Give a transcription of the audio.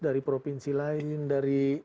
dari provinsi lain dari